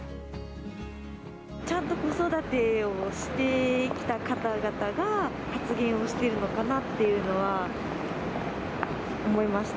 ちゃんと子育てをしてきた方々が、発言をしてるのかなっていうのは思いました。